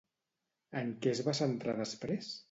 En què es va centrar després?